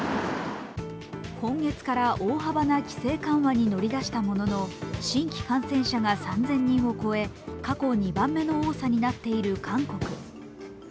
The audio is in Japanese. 今月から大幅な規制緩和に乗り出したものの、新規感染者が３０００人を超え、過去２番目の多さになっている韓国。